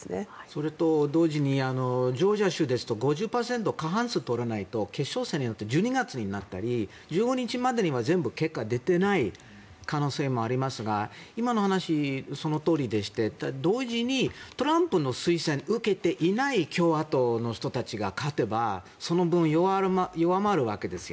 それと同時にジョージア州ですと５０％、過半数を取らないと決勝戦になって１２月になったり１５日までには結果が出ていない可能性もありますが今の話はそのとおりでして同時にトランプの推薦を受けていない共和党の人たちが勝てばその分、弱まるわけです。